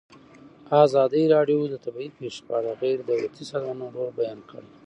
ازادي راډیو د طبیعي پېښې په اړه د غیر دولتي سازمانونو رول بیان کړی.